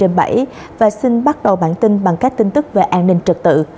trong nhịp sống hai mươi bốn trên bảy và xin bắt đầu bản tin bằng các tin tức về an ninh trật tự